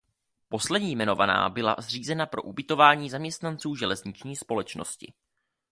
Poslední jmenovaná byla zřízena pro ubytování zaměstnanců železniční společnosti.